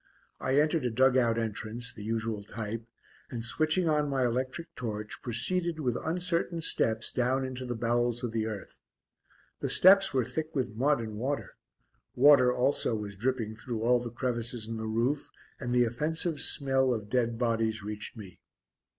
I entered a dug out entrance, the usual type, and switching on my electric torch, proceeded with uncertain steps down into the bowels of the earth. The steps were thick with mud and water; water also was dripping through all the crevices in the roof, and the offensive smell of dead bodies reached me.